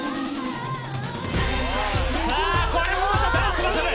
さあこれもまたダンスバトル。